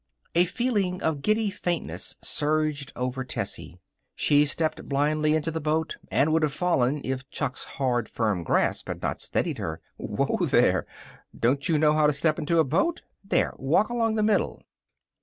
A feeling of giddy faintness surged over Tessie. She stepped blindly into the boat and would have fallen if Chuck's hard, firm grip had not steadied her. "Whoa, there! Don't you know how to step into a boat? There. Walk along the middle."